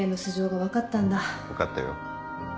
分かったよ。